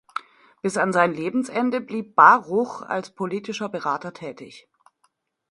Bis an sein Lebensende blieb Baruch als politischer Berater tätig.